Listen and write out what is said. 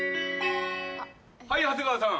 はい長谷川さん。